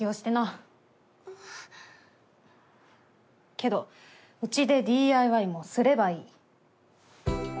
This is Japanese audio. けどうちでＤＩＹもすればいい。